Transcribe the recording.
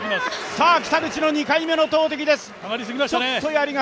さあ、北口の２回目の投てきです。